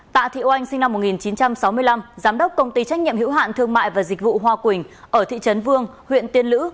tạ thị oanh sinh năm một nghìn chín trăm sáu mươi năm giám đốc công ty trách nhiệm hữu hạn thương mại và dịch vụ hoa quỳnh ở thị trấn vương huyện tiên lữ